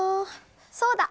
そうだ。